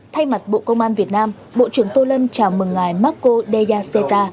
thay mặt bộ công an việt nam bộ trưởng tô lâm chào mừng ngài marco dea seta